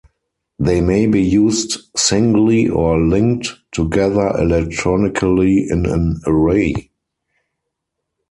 They may be used singly, or linked together electronically in an array.